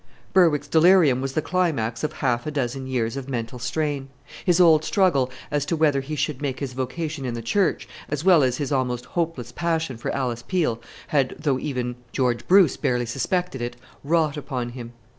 Berwick's delirium was the climax of half a dozen years of mental strain. His old struggle as to whether he should make his vocation in the Church, as well as his almost hopeless passion for Alice Peel, had, though even George Bruce barely suspected it, wrought upon him.